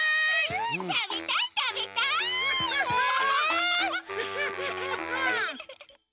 うんたべたいたべたい！え！？